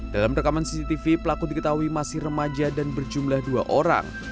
dalam rekaman cctv pelaku diketahui masih remaja dan berjumlah dua orang